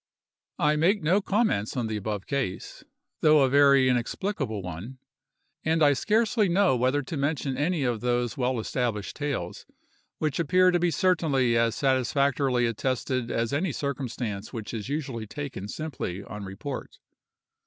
I make no comments on the above case, though a very inexplicable one; and I scarcely know whether to mention any of those well established tales, which appear to be certainly as satisfactorily attested as any circumstance which is usually taken simply on report.